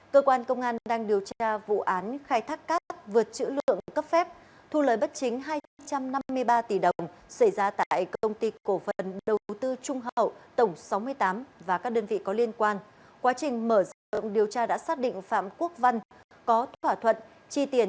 cơ quan công an đã nhanh chóng bắt giữ được cả ba đối tượng trên thu giữ hai khẩu súng rulo bảy mươi ba viên đạn đầu màu và một xe xe